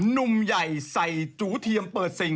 นึมใหญ่ใส่จูเทียมเปิดซิง